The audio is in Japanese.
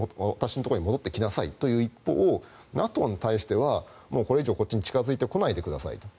私のところに戻ってきなさいという一方ＮＡＴＯに対してはこれ以上こっちに近付いてこないでください。